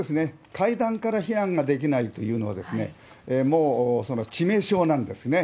階段から避難ができないというのは、もう致命傷なんですね。